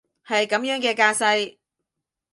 係噉樣嘅架勢？